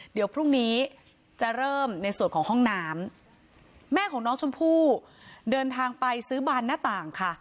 เดี๋ยวพรุ่งนี้จะเริ่มในส่วนของห้องน้ำแม่ของน้องชมพู่เดินทางไปซื้อบานหน้าต่างค่ะ